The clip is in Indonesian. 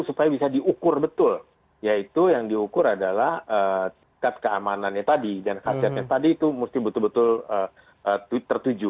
tapi bisa diukur betul yaitu yang diukur adalah keamanannya tadi dan khasiatnya tadi itu musti betul betul tertuju